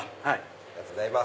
ありがとうございます。